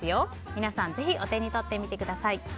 皆さんぜひお手に取ってみてください。